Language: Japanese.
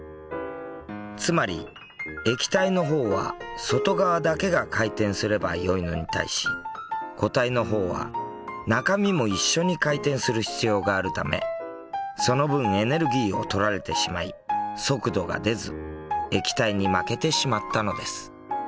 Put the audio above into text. つまり液体の方は外側だけが回転すればよいのに対し固体の方は中身も一緒に回転する必要があるためその分エネルギーを取られてしまい速度が出ず液体に負けてしまったのです。